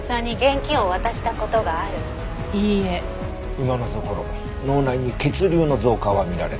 今のところ脳内に血流の増加は見られず。